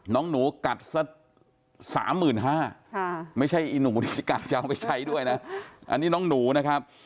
น้องหนูกัดสัก๓๕๐๐บาทไม่ใช่อีหนูที่กัดจะเอาไปใช้ด้วยนะอันนี้น้องหนูนะครับ